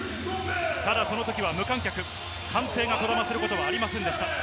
ただそのときは無観客、歓声がこだますることはありませんでした。